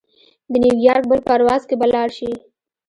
د نیویارک بل پرواز کې به لاړشې.